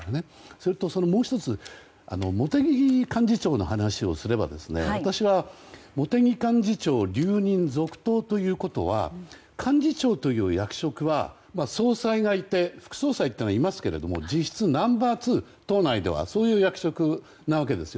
それと、もう１つ茂木幹事長の話をすれば私は、茂木幹事長が留任・続投ということは幹事長という役職は総裁がいて副総裁というのはいますけど党内では、実質ナンバー２という役職なわけです。